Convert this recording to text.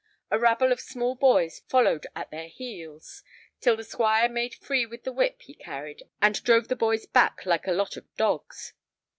A rabble of small boys followed at their heels, till the Squire made free with the whip he carried and drove the boys back like a lot of dogs.